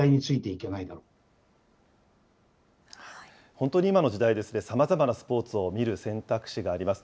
本当に今の時代、さまざまなスポーツを見る選択肢があります。